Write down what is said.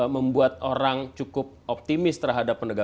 membuat orang cukup optimis terhadap penegakan